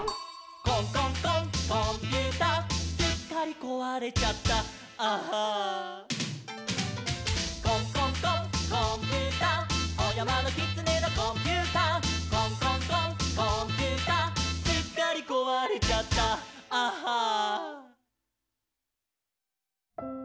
「コンコンコンコンピューター」「すっかりこわれちゃった」「ＡＨＨＡ」「コンコンコンコンーピューター」「おやまのきつねのコンピューター」「コンコンコンコンーピューター」「すっかりこわれちゃった」「ＡＨＨＡ」